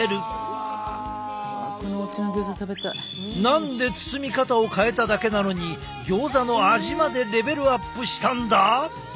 何で包み方を変えただけなのにギョーザの味までレベルアップしたんだ！？